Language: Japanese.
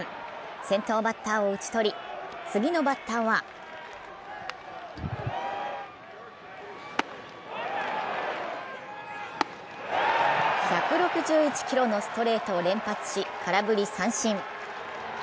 先頭バッターを打ち取り、次のバッターは１６１キロのストレートを連発し、空振り三振。